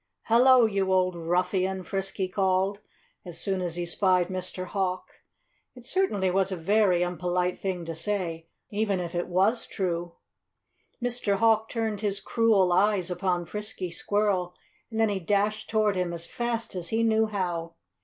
"Hello, you old ruffian!" Frisky called, as soon as he spied Mr. Hawk. It certainly was a very impolite thing to say, even if it was true. Mr. Hawk turned his cruel eyes upon Frisky Squirrel and then he dashed toward him as fast as he knew how.